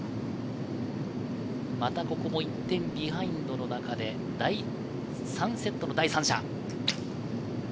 またここも１点ビハインドの中で第３セットの第３射。